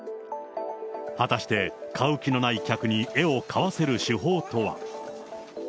果たして買う気のない客に、絵を買わせる手法とは。